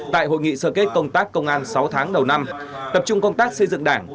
tại hội nghị sơ kết công tác công an sáu tháng đầu năm tập trung công tác xây dựng đảng